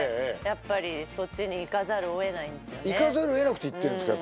やっぱりそっちに行かざるを得なくて行ってるんですか？